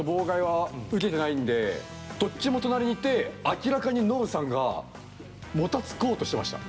僕どっちも隣にいて明らかにノブさんがもたつこうとしてました。